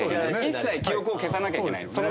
一切記憶を消さなきゃいけない。